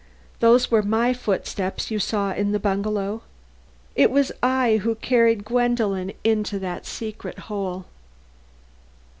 _Those were my footsteps you saw in the bungalow. It was I who carried Gwendolen into that secret hole.